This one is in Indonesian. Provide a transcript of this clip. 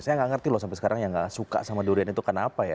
saya nggak ngerti loh sampai sekarang yang gak suka sama durian itu kenapa ya